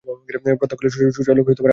প্রাতঃকালের সূর্যালোক আচ্ছন্ন হইয়া গেছে।